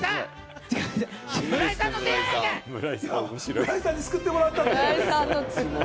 村井さんに救ってもらった。